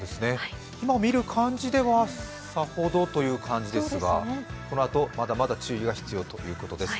今見る感じではさほどという感じですが、このあと、まだまだ注意が必要ということです。